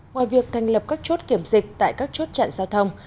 ngoài việc thành lập các chốt kiểm dịch tại các chốt chặn giao thông